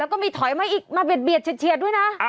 แล้วก็มีถอยมาอีกมาเบียดเฉียดด้วยนะ